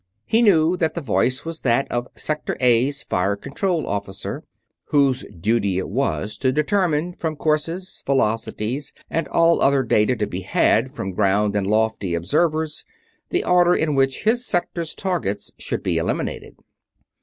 He knew that the voice was that of Sector A's Fire Control Officer, whose duty it was to determine, from courses, velocities, and all other data to be had from ground and lofty observers, the order in which his Sector's targets should be eliminated.